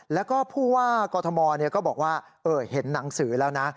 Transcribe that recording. แล้วก็ผู้ว่ากอทมก็บอกว่าเห็นหนังสือแล้วนะ